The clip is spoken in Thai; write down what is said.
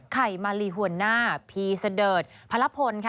ไข่มาลีหัวหน้าพีเสดิร์ดพระละพลค่ะ